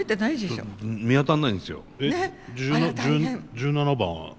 １７番は？